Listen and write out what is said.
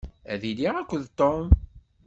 Ad iliɣ akked Tom.